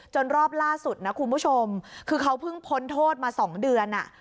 รอบล่าสุดนะคุณผู้ชมคือเขาเพิ่งพ้นโทษมา๒เดือน